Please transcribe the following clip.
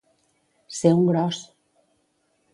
Ser un gros.